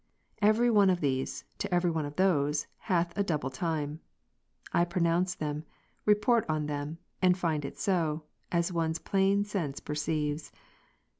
Every one of these, to every one of those, hath a double time : I pronounce them, report on them, and find it so, as one's plain sense pei'ceives.